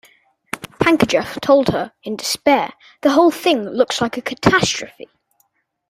Pankejeff told her, in despair, the whole thing looks like a catastrophe.